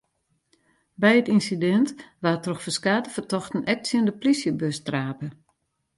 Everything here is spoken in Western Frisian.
By it ynsidint waard troch ferskate fertochten ek tsjin de polysjebus trape.